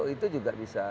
itu juga bisa